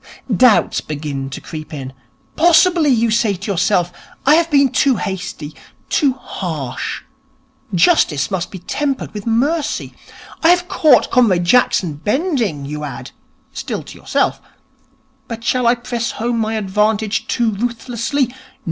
Doubts begin to creep in. Possibly, you say to yourself, I have been too hasty, too harsh. Justice must be tempered with mercy. I have caught Comrade Jackson bending, you add (still to yourself), but shall I press home my advantage too ruthlessly?